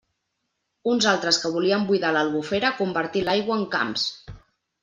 Uns altres que volien buidar l'Albufera convertint l'aigua en camps!